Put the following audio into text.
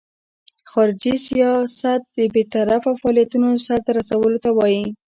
خارجي سیاست د بیطرفه فعالیتونو سرته رسولو ته وایي.